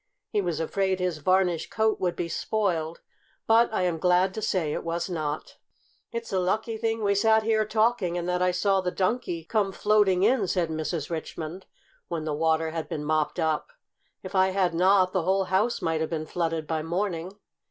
He was afraid his varnish coat would be spoiled, but I am glad to say it was not. "It's a lucky thing we sat here talking, and that I saw the Donkey come floating in," said Mrs. Richmond, when the water had been mopped up. "If I had not, the whole house might have been flooded by morning."